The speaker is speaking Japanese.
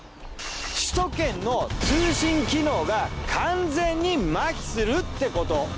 首都圏の通信機能が完全にマヒするってこと。